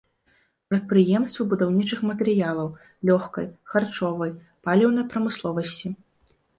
Прадпрыемствы будаўнічых матэрыялаў, лёгкай, харчовай, паліўнай прамысловасці.